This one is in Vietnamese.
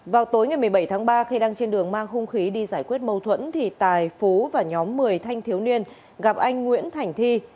vào tối ngày một mươi bảy tháng ba khi đang trên đường mang hung khí đi giải quyết mâu thuẫn thì tài phú và nhóm một mươi thanh thiếu niên gặp anh nguyễn thành thi